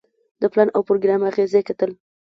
د پلان او پروګرام اغیزې کتل.